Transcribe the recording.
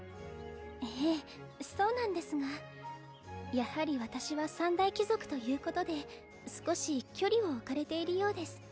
ええそうなんですがやはり私は三大貴族ということで少し距離を置かれているようです